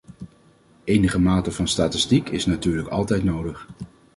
Enige mate van statistiek is natuurlijk altijd nodig.